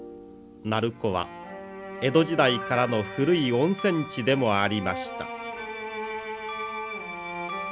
鳴子は江戸時代からの古い温泉地でもありました。